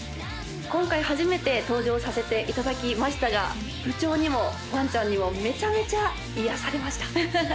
今回初めて登場させていただきましたが部長にもワンちゃんにもめちゃめちゃ癒やされました